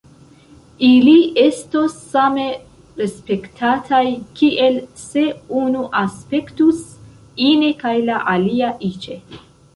Ili estos same respektataj kiel se unu aspektus ine kaj la alia iĉe.